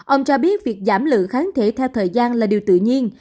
ông cho biết việc giảm lượng kháng thể theo thời gian là điều tự nhiên